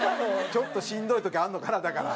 ちょっとしんどい時あるのかなだから。